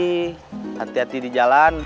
hati hati di jalan